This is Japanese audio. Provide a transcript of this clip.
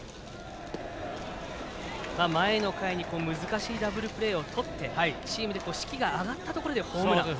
前の回に難しいダブルプレーをとってチームで士気が上がったところでホームラン。